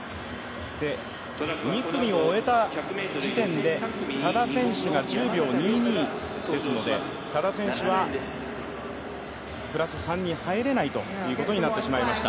２組を終えた時点で多田選手が１０秒２２ですので多田選手はプラス３には入れないということになってしまいました。